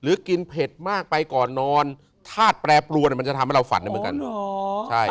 กินเผ็ดมากไปก่อนนอนธาตุแปรปรวนมันจะทำให้เราฝันได้เหมือนกัน